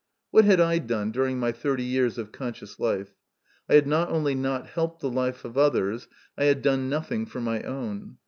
What had I done during my thirty years of conscious life? I had not only not helped the life of others, I had done nothing for my own.